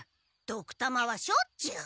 ドクたまはしょっちゅう！